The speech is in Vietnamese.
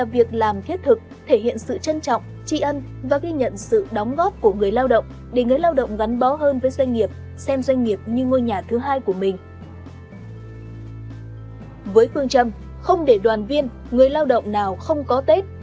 với phương châm không để đoàn viên người lao động nào không có tết